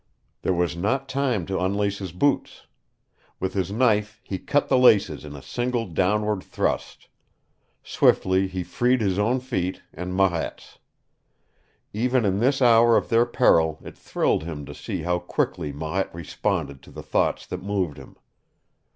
There was not time to unlace his boots. With his knife he cut the laces in a single downward thrust. Swiftly he freed his own feet, and Marette's. Even in this hour of their peril it thrilled him to see how quickly Marette responded to the thoughts that moved him.